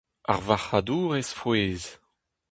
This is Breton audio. Ar varc'hadourez frouezh.